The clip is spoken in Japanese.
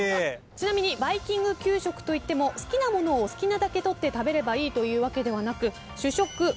ちなみにバイキング給食といっても好きなものを好きなだけ取って食べればいいというわけではなく。